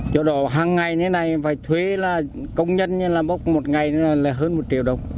cho đó hằng ngày như thế này phải thuê là công nhân như là bốc một ngày là hơn một triệu đồng